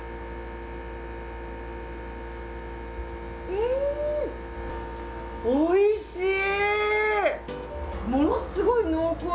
うーん、おいしい！